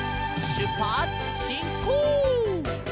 「しゅっぱつしんこう！」